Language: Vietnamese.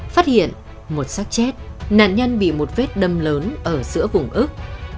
phát hiện một sát chết nạn nhân bị một vết đâm lớn ở giữa vùng ức